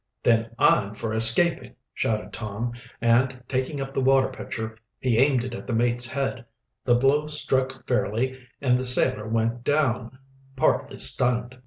"Then I'm for escaping!" shouted Tom, and taking up the water pitcher he aimed it at the mate's head. The blow struck fairly, and the sailor went down, partly stunned.